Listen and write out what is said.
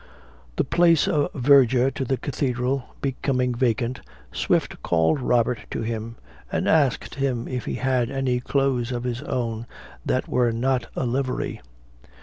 The place of verger to the cathedral becoming vacant, Swift called Robert to him, and asked him if he had any clothes of his own that were not a livery?